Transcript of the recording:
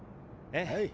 はい。